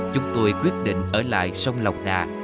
chúng tôi quyết định ở lại sông lòng đà